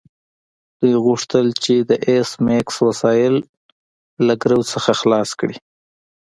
دوی غوښتل چې د ایس میکس وسایل له ګرو څخه خلاص کړي